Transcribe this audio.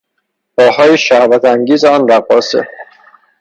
پاهای شهوتانگیز آن رقاصه